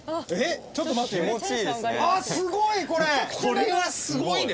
これはすごいですね！